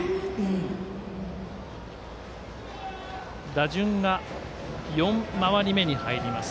打順が４回り目に入ります。